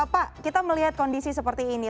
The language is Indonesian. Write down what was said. pak kita melihat kondisi seperti ini